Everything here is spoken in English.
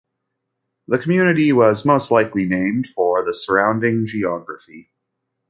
The community was most likely named for the surrounding geography.